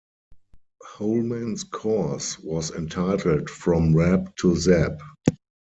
Holman's course was entitled From Rap to Zap.